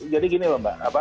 jadi gini mbak